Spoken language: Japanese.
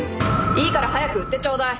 いいから早く売ってちょうだい。